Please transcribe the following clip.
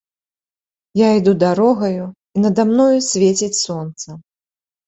Я іду дарогаю, і нада мной свеціць сонца.